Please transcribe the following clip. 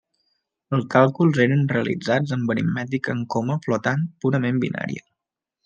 Els càlculs eren realitzats amb aritmètica en coma flotant purament binària.